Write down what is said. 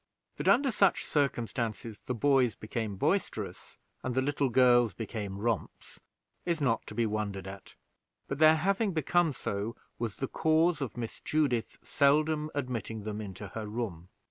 That, under such circumstances, the boys became boisterous and the little girls became romps, is not to be wondered at: but their having become so was the cause of Miss Judith seldom admitting them into her room.